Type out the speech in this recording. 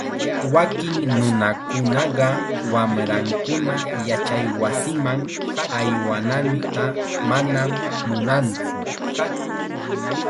Wakin nunakunaqa wamrankuna yachaywasiman aywananta manam munantsu.